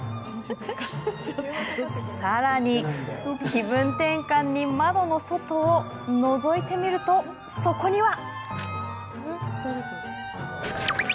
気分転換に窓の外をのぞいてみると、そこには。